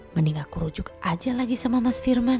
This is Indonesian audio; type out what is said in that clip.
mending aku rujuk aja lagi sama mas firman